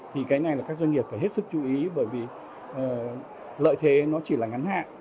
thì cái này là các doanh nghiệp phải hết sức chú ý bởi vì lợi thế nó chỉ là ngắn hạn